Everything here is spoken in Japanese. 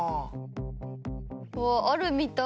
うわっあるみたい！